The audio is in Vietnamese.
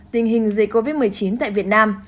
tình hình dịch covid một mươi chín tại việt nam